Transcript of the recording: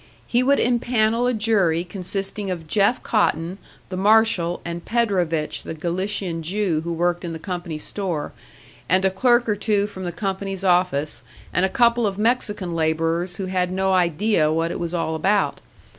He would empanel a jury consisting of Jeff Cotton, the marshal, and Predovich, the Galician Jew who worked in the company store, and a clerk or two from the company's office, and a couple of Mexican labourers who had no idea what it was all about.